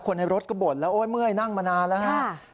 คนในรถกระบวนแล้วเมื่อยนั่งมานานแล้ว